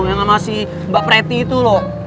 yang sama si mbak preti itu loh